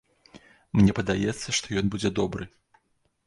Мне падаецца, што ён будзе добры.